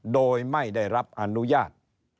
โดยไม่ได้รับอนุญาต